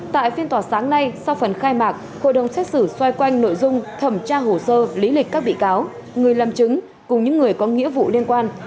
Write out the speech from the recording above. tại phiên tòa sáng nay sau phần khai mạc hội đồng xét xử xoay quanh nội dung thẩm tra hồ sơ lý lịch các bị cáo người làm chứng cùng những người có nghĩa vụ liên quan